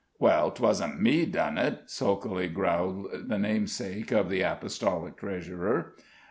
"Well, 'twasn't me done it," sulkily growled the namesake of the apostolic treasurer.